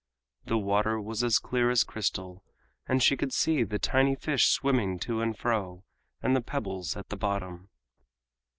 The water was as clear as crystal, and she could see the tiny fish swimming to and fro, and the pebbles at the bottom.